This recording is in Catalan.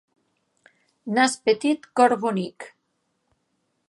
Nas petit, cor bonic.